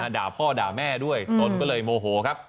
ด่าพ่อด่าแม่ด้วยตนก็เลยโมโหครับ